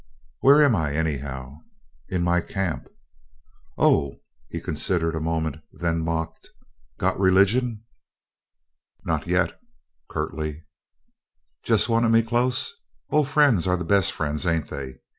"Where am I, anyhow?" "In my camp." "Oh." He considered a moment, then mocked, "Got religion?" "Not yet," curtly. "Jest wanted me close? Ol' friends are the best friends ain't they?"